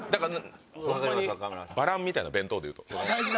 ホンマにバランみたいな弁当でいうと。